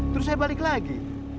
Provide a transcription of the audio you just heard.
terus saya balik lagi